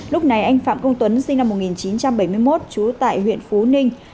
lúc này anh phạm công tuấn sinh năm một nghìn chín trăm bảy mươi một trú tại huyện phú ninh